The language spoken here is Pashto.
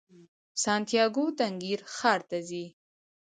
سانتیاګو تنګیر ښار ته ځي.